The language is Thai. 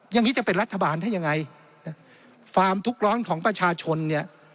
อย่างนี้จะเป็นรัฐบาลได้ยังไงนะฟาร์มทุกร้อนของประชาชนเนี่ย